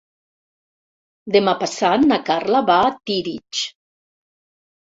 Demà passat na Carla va a Tírig.